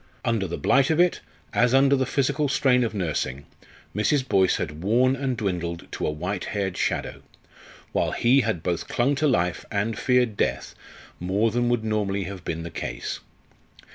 Under the blight of it, as under the physical strain of nursing, Mrs. Boyce had worn and dwindled to a white haired shadow; while he had both clung to life and feared death more than would normally have been the case.